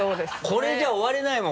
これじゃ終われないもん！